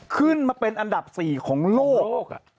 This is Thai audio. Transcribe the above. ขึ้นมาเป็นอันดับ๔ของโลก